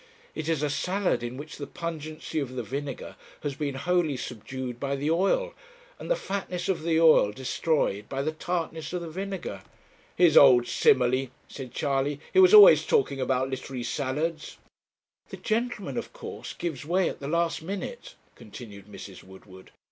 It is a salad in which the pungency of the vinegar has been wholly subdued by the oil, and the fatness of the oil destroyed by the tartness of the vinegar.' 'His old simile,' said Charley; 'he was always talking about literary salads.' 'The gentleman, of course, gives way at the last minute,' continued Mrs. Woodward.